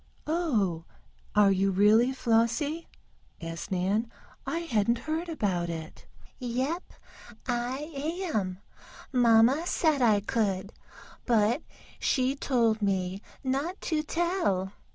"Oh, are you really, Flossie?" asked Nan. "I hadn't heard about it." "Yep I am. Mamma said I could, but she told me not to tell.